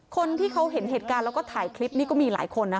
คนที่เขาเห็นเหตุการณ์แล้วก็ถ่ายคลิปนี้ก็มีหลายคนนะ